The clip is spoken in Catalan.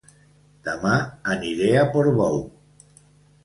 Dema aniré a Portbou